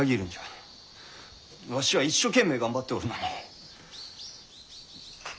わしは一生懸命頑張っておるのに。